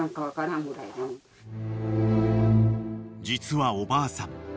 ［実はおばあさん